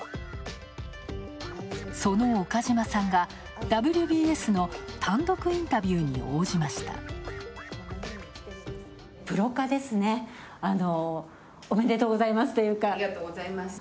その岡島さんが「ＷＢＳ」の単独インタビューに応じました。